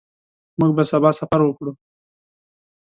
موږ به سبا سفر وکړو.